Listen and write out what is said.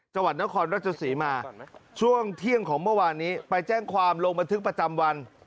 จังหวัดนครราชศรีมาช่วงเที่ยงของเมื่อวานนี้ไปแจ้งความลงบันทึกประจำวัน